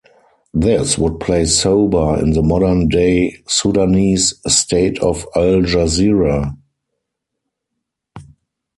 This would place Soba in the modern-day Sudanese state of Al Jazirah.